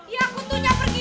ya aku tuh nyaper gigi